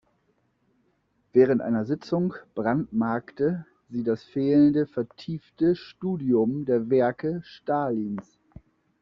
Während einer Sitzung brandmarkte sie das „fehlende vertiefte Studium der Werke Stalins“.